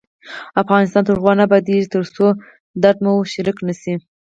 افغانستان تر هغو نه ابادیږي، ترڅو درد مو شریک نشي.